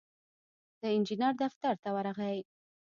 د انجينر دفتر ته ورغی.